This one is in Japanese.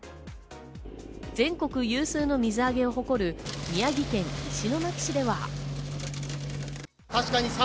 全国有数の水揚げを誇る宮城県石巻市では。